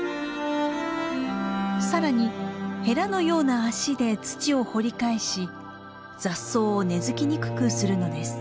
更にヘラのような足で土を掘り返し雑草を根づきにくくするのです。